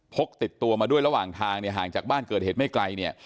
กติดตัวมาด้วยระหว่างทางเนี่ยห่างจากบ้านเกิดเหตุไม่ไกลเนี่ย